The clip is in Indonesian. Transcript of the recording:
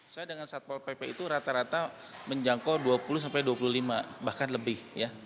saya dengan satpol pp itu rata rata menjangkau dua puluh sampai dua puluh lima bahkan lebih